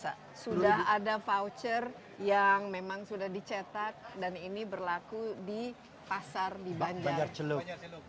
sekarang ini luar biasa sudah ada voucher yang memang sudah dicetak dan ini berlaku di pasar di banjar celuk